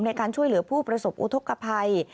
ในการช่วยเหลือผู้ประสบอุทธกภัย